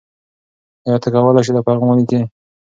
آیا ته کولای سې دا پیغام ولیکې؟